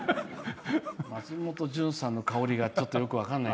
松本潤さんの香りがちょっとよく分かんない。